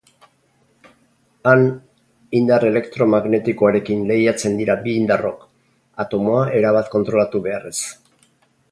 Han, indar elektromagnetikoarekin lehiatzen dira bi indarrok, atomoa erabat kontrolatu beharrez.